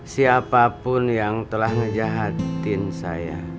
siapapun yang telah ngejahatin saya